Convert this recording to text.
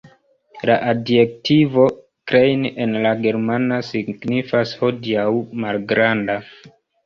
La adjektivo "klein" en la germana signifas hodiaŭ "malgranda".